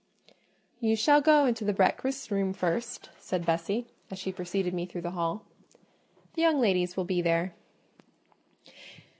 "You shall go into the breakfast room first," said Bessie, as she preceded me through the hall; "the young ladies will be there."